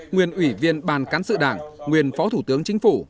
nguyên ủy viên ban cán sự đảng nguyên phó thủ tướng chính phủ